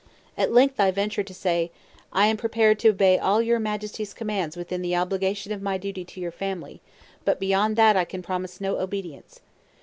At length I ventured to say, "I am prepared to obey all your Majesty's commands within the obligation of my duty to your family, but beyond that I can promise no obedience."